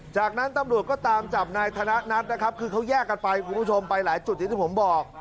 จากนั้นตำรวจก็ตามจับนายธนัดนะครับคือเขาแยกกันไปคุณผู้ชมไปหลายจุดอย่างที่ผมบอก